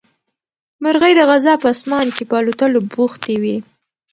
مرغۍ د غزا په اسمان کې په الوتلو بوختې وې.